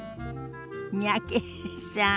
三宅さん